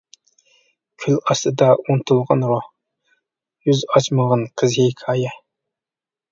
كۈل ئاستىدا ئۇنتۇلغان روھ، يۈز ئاچمىغان قىز ھېكايە.